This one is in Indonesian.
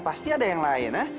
pasti ada yang lain ya